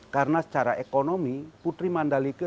karena secara ekonomi putri mandalika